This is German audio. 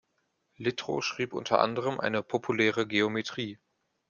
Littrow schrieb unter anderem eine „Populäre Geometrie“.